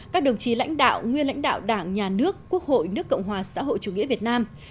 các đồng chí lãnh đạo nguyên lãnh đạo đảng nhà nước quốc hội nước cộng hòa xã hội chủ nghĩa việt nam